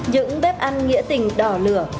những bếp ăn nghĩa tình đỏ lửa